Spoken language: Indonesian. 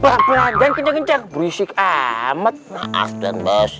bang puan jangan kenceng kenceng berisik amat maaf dan bos